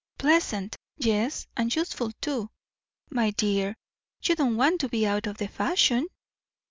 Pleasant, yes, and useful too. My dear, you don't want to be out of the fashion?"